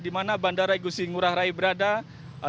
dimana bandara esk available